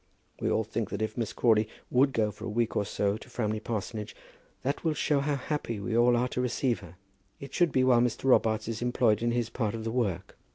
We all think that if Miss Crawley would go for a week or so to Framley Parsonage, that it will show how happy we all are to receive her. It should be while Mr. Robarts is employed in his part of the work.